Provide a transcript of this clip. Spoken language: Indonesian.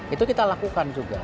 itu kita lakukan juga